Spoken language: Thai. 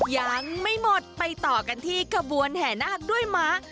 ยังไม่หมดไปต่อกันที่ขบวนแห่นาคด้วยม้า